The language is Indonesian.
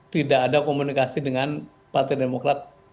tidak ada komunikasi dengan partai demokrat